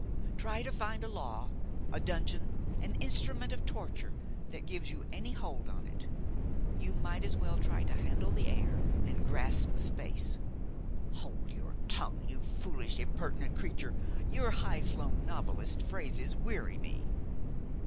Try to find a law, a dungeon, an instrument of torture that gives you any hold on it! you might as well try to handle the air and grasp space." "Hold your tongue, you foolish, impertinent creature; your high flown novelist's phrases weary me."